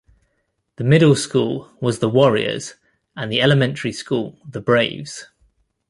The middle school was the 'Warriors' and the elementary school, the 'Braves'.